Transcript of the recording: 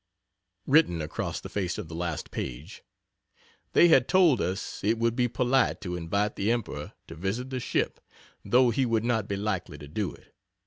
[Written across the face of the last page.] They had told us it would be polite to invite the Emperor to visit the ship, though he would not be likely to do it.